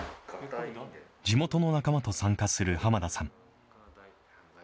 地元の仲間と参加する浜田さん。